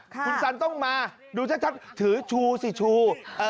คุณสันต้องมาดูชัดถือชูสิชู